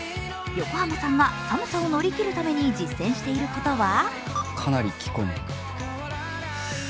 横浜さんが寒さを乗り切るために実践していることは？